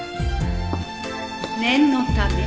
念のため。